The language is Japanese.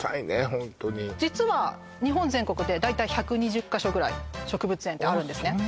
ホントに実は日本全国で大体１２０か所ぐらい植物園ってあるんですねあっ